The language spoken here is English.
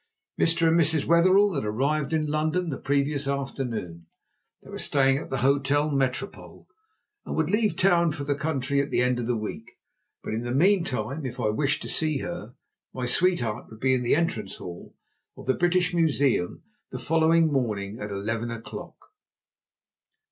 Mr. and Miss Wetherell had arrived in London the previous afternoon, they were staying at the Hôtel Métropole, would leave town for the country at the end of the week, but in the meantime, if I wished to see her, my sweetheart would be in the entrance hall of the British Museum the following morning at eleven o'clock.